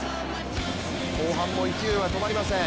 後半も勢いは止まりません。